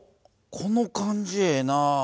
この感じええな。